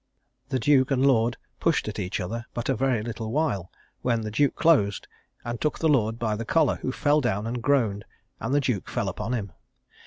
The duke and lord pushed at each other but a very little while, when the duke closed, and took the lord by the collar, who fell down and groaned, and the duke fell upon him.